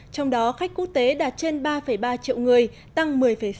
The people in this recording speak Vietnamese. trong đó khách quốc tế đạt trên ba ba triệu người tăng một mươi sáu